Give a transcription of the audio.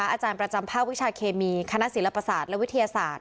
อาจารย์ประจำภาควิชาเคมีคณะศิลปศาสตร์และวิทยาศาสตร์